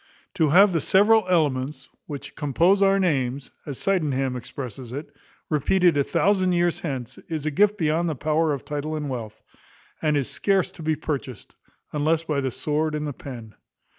To have the several elements which compose our names, as Sydenham expresses it, repeated a thousand years hence, is a gift beyond the power of title and wealth; and is scarce to be purchased, unless by the sword and the pen.